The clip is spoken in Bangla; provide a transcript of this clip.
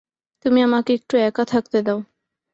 তুমি আমাকে একটু একা থাকতে দাও!